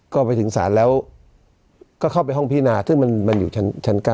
ก็ไปถึงศาลแล้วก็เข้าไปห้องพินาซึ่งมันอยู่ชั้น๙